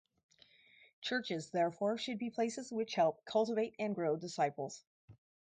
Churches, therefore, should be places which help cultivate and grow disciples.